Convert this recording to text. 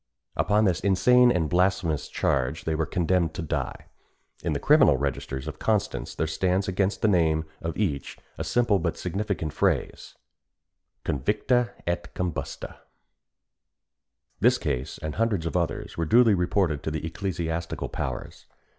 Upon this insane and blasphemous charge they were condemned to die. In the criminal registers of Constance there stands against the name of each the simple but significant phrase, "convicta et combusta." This case and hundreds of others were duly reported to the ecclesiastical powers.